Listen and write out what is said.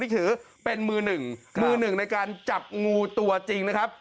ถือเป็นมือหนึ่งมือหนึ่งในการจับงูตัวจริงนะครับ